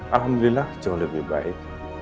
alhamdulillah jauh lebih baik